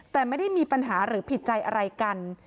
แต่ไม่ได้มีปัญหาหรือผิดใจอะไรกัน